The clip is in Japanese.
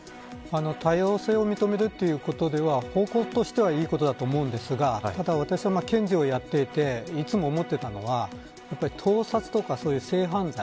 多様性を認めるということでは方向としてはいいことだと思いますが検事をやっていていつも思っていたのは盗撮とか、性犯罪